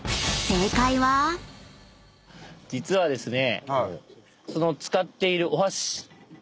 実はですね。